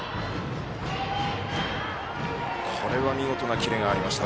これは見事なキレがありました。